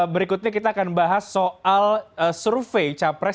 berikutnya kita akan bahas soal survei capres